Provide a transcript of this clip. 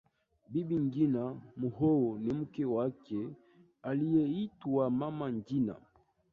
Bibi Ngina Muhoho ni mke wake aliyeitwa Mama Ngina